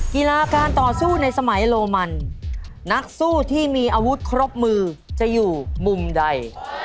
กีฬาการต่อสู้ในสมัยโรมันนักสู้ที่มีอาวุธครบมือจะอยู่มุมใด